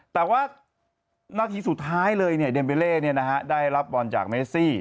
แต่ว่านาทีสุดท้ายเลยเดมเบเล่ได้รับบอลจากเมซี่